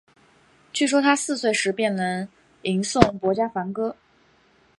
据说他四岁时便能吟诵薄伽梵歌。